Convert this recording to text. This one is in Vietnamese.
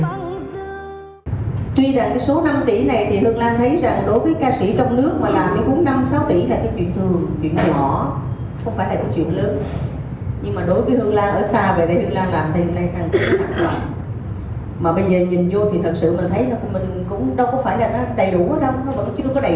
tuy rằng cái số năm tỷ này thì hương lan thấy rằng đối với ca sĩ trong nước mà làm cái bốn năm sáu tỷ là cái chuyện thường chuyện nhỏ không phải là cái chuyện lớn